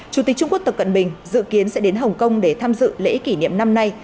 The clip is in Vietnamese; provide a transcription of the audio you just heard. chủ tịch trung quốc tập cận bình dự kiến sẽ đến hồng kông để tham dự lễ kỷ niệm năm nay